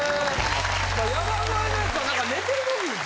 さあ山添のやつは。